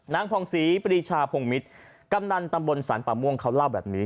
ผ่องศรีปรีชาพงมิตรกำนันตำบลสรรป่าม่วงเขาเล่าแบบนี้